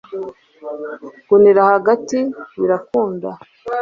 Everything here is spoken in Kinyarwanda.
Gunira mu hagati birakunda